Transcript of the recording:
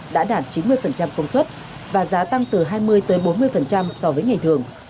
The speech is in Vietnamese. đã đạt chín mươi công suất và giá tăng từ hai mươi tới bốn mươi so với ngày thường